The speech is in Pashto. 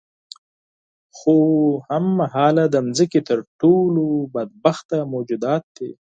خو هم مهاله د ځمکې تر ټولو بدبخته موجودات دي.